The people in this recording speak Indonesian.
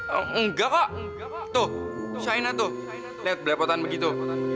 engga kok tuh shaina tuh liat belepotan begitu